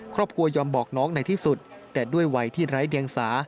ครอบครัวยอมบอกน้องในที่สุดแต่ด้วยวัยที่ไร้เดียงสา